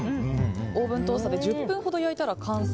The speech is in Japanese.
オーブントースターで１０分ほど焼いたら完成。